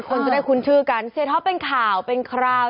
คนจะได้คุ้นชื่อกันเสียท็อปเป็นข่าวเป็นคราว